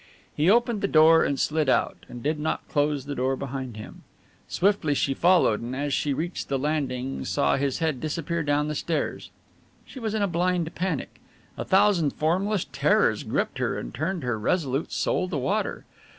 He opened the door and slid out and did not close the door behind him. Swiftly she followed, and as she reached the landing saw his head disappear down the stairs. She was in a blind panic; a thousand formless terrors gripped her and turned her resolute soul to water.